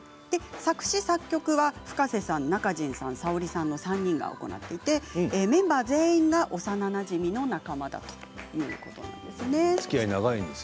作詞・作曲はＦｕｋａｓｅさんＮａｋａｊｉｎさんＳａｏｒｉさんの３人が行っていてメンバー全員が幼なじみの仲間だということです。